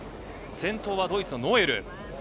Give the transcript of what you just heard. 先頭はドイツのノエル。